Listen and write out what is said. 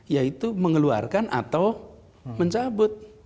yaitu mengeluarkan atau mencabut